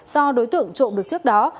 do đối tượng trộm được trước đó